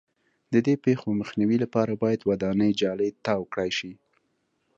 د دې پېښو مخنیوي لپاره باید ودانۍ جالۍ تاو کړای شي.